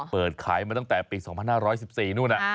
เปิดขายมาตั้งแต่ปี๒๕๑๔นู่น